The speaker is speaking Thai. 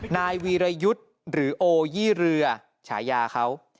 นายวีรยุทธ์หรือโอยี่เรือฉายาเขา